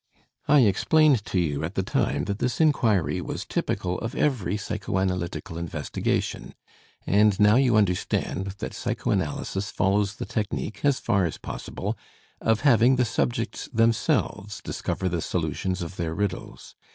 " I explained to you at the time that this inquiry was typical of every psychoanalytical investigation, and now you understand that psychoanalysis follows the technique, as far as possible, of having the subjects themselves discover the solutions of their riddles.